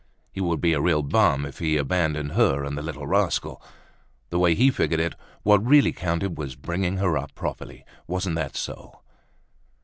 He would be a real bum if he abandoned her and the little rascal. The way he figured it, what really counted was bringing her up properly. Wasn't that so?